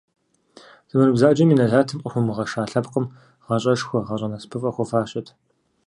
Зэман бзаджэм и нэлатым къыхуэмыгъэша лъэпкъым гъащӀэшхуэ, гъащӀэ насыпыфӀэ хуэфащэт.